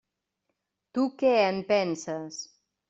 Tu què en penses?